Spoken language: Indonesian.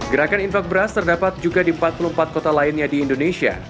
gerakan infak beras terdapat juga di empat puluh empat kota lainnya di indonesia